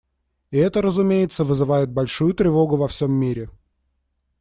И это, разумеется, вызывает большую тревогу во всем мире.